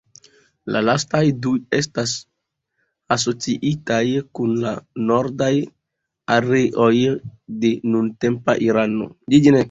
La lastaj du estas asociitaj kun la nordaj areoj de nuntempa Irano.